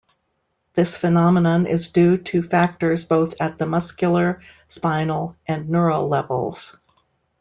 This phenomenon is due to factors both at the muscular, spinal and neural levels.